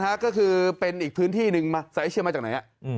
ฮะก็คือเป็นอีกพื้นที่หนึ่งมาสายมาจากไหนอ่ะอืมทาง